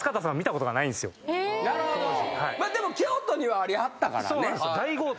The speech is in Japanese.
でも京都にはありはったからね。